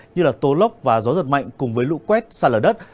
như là tố lốc và gió giật mạnh cùng với lũ quét sạt lở đất